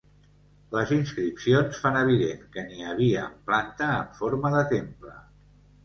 Les inscripcions fan evident que n'hi havia amb planta en forma de temple.